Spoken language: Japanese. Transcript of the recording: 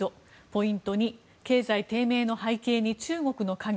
ポイント２経済低迷の背景に中国の影。